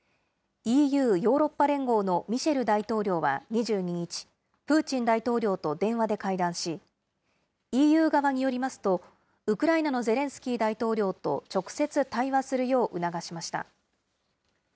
ＥＵ・ヨーロッパ連合のミシェル大統領は２２日、プーチン大統領と電話で会談し、ＥＵ側によりますと、ウクライナのゼレンスキー大統領と直接対話するよう促しました。